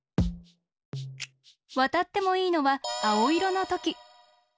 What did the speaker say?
わたってもいいのはあおいろのとき。